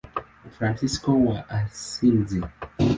Fransisko wa Asizi.